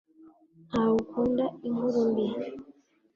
ntawe ukunda inkuru mbi